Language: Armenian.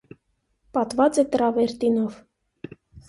Պատված է տրավերտինով։